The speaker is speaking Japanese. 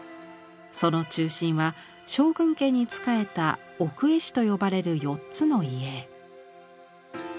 その中心は将軍家に仕えた「奥絵師」と呼ばれる４つの家。